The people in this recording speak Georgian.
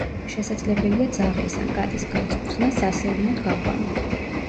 შესაძლებელია ძაღლის ან კატის გაწვრთნა, სასეირნოდ გაყვანა.